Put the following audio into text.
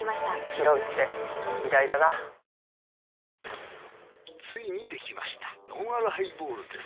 ひろうって偉大だなついにできましたのんあるハイボールです